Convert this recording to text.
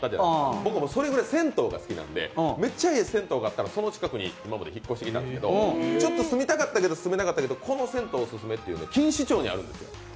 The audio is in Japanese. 僕もそれぐらい銭湯が好きなんで、めっちゃ好きな銭湯があったらその近くに今まで引っ越してきたんですけどちょっと住みたかったけど住めなかったけど、この銭湯がオススメというのが錦糸町にあるんですよ。